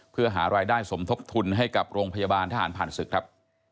เพื่อหารายได้สมทบทุนให้กับโรงพยาบาลทหารผ่านศึกครับ